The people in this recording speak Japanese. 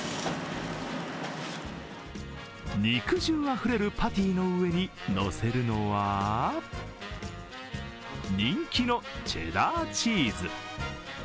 肉汁あふれるパティの上に乗せるのは人気のチェダーチーズ。